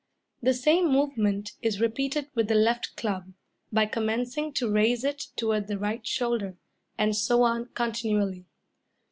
The same movement is repeated with the left club, by commencing to raise it toward the right shoulder, and so on continually.